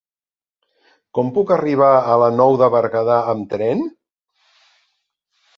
Com puc arribar a la Nou de Berguedà amb tren?